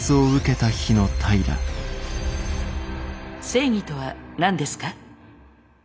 正義とは何ですか？